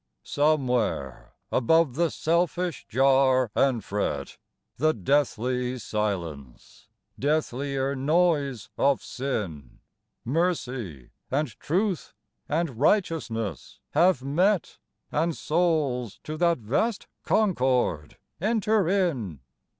Somewhere above the selfish jar and fret, The deathly silence, deathlier noise of sin, Mercy and truth and righteousness have met, And souls to that vast concord enter in.